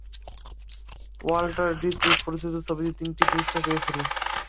Walter D'Cruz পরিচালিত ছবিটি তিনটি পুরষ্কার পেয়েছিল।